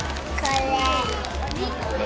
これ。